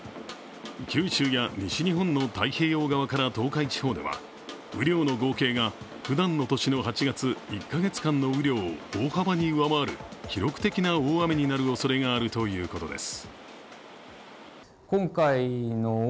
九州や西日本の太平洋側から東海地方では雨量の合計が、ふだんの年の８月１か月間の雨量を大幅に上回る記録的な大雨になるおそれがあるということです。